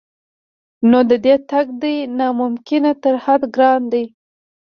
نو د دې تګ دی نا ممکن تر حده ګران دی